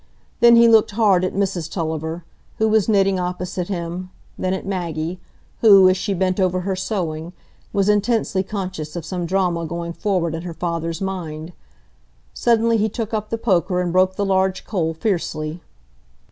Then he looked hard at Mrs Tulliver, who was knitting opposite him, then at Maggie, who, as she bent over her sewing, was intensely conscious of some drama going forward in her father's mind. Suddenly he took up the poker and broke the large coal fiercely.